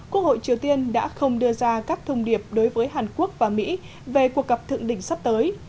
quốc hội triều tiên đã không đưa ra các thông điệp đối với hàn quốc và mỹ về cuộc gặp thượng đỉnh sắp tới